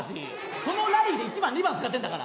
そのラリーで１番２番使ってんだから！